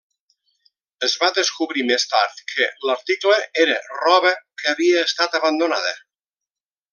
Es va descobrir més tard que l'article era roba que havia estat abandonada.